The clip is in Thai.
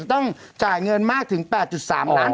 จะต้องจ่ายเงินมากถึง๘๓ล้านบาทครับ